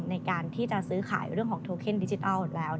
ในการที่จะซื้อขายเรื่องของโทเคนดิจิทัลแล้ว